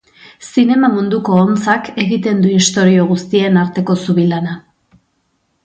Zinema munduko hontzak egiten du istorio guztien arteko zubi lana.